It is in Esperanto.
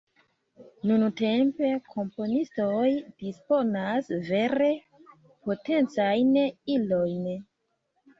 Nuntempe komponistoj disponas vere potencajn ilojn.